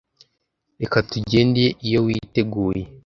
Reka tugende iyo witeguye